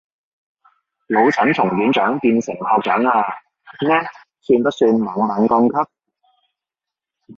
老陳從院長變成學長啊，呢算不算猛猛降級